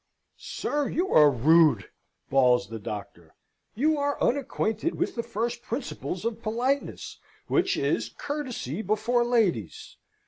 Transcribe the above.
"Sir, you are rude!" bawls the Doctor. "You are unacquainted with the first principles of politeness, which is courtesy before ladies.